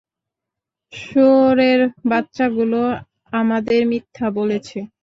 শুয়োরের বাচ্চাগুলো আমাদের মিথ্যা বলেছে!